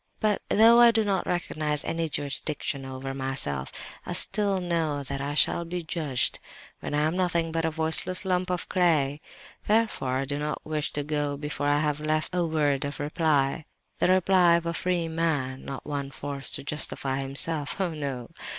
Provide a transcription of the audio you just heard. "But though I do not recognize any jurisdiction over myself, still I know that I shall be judged, when I am nothing but a voiceless lump of clay; therefore I do not wish to go before I have left a word of reply—the reply of a free man—not one forced to justify himself—oh no!